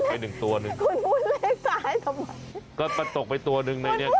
คุณพูดแต่แลขท้ายทำไม